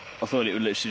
うれしい？